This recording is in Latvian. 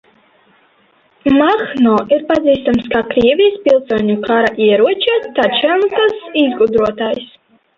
Mahno arī pazīstams kā Krievijas pilsoņu kara ieroča – tačankas izgudrotājs.